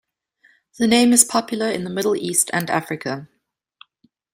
The name is popular in the Middle East and Africa.